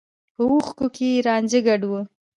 په اوښکو کې يې رانجه ګډ و.